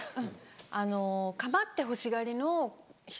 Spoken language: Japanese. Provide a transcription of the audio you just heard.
あの構ってほしがりの人